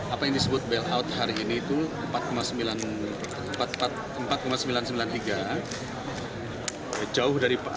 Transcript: apa yang disebut bailout hari ini itu empat sembilan ratus sembilan puluh tiga jauh dari